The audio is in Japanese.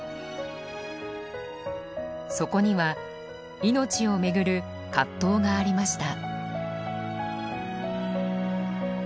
そこには命をめぐる葛藤がありました。